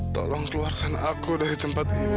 tolong keluarkan aku dari tempat ini